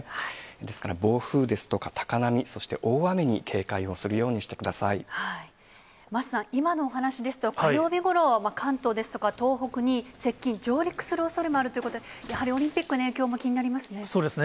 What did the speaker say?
ですから暴風ですとか高波、そして大雨に警戒をするようにし桝さん、今のお話ですと、火曜日ごろ、関東ですとか、東北に接近、上陸するおそれもあるということで、やはりオリンピックへの影響も気になりますね。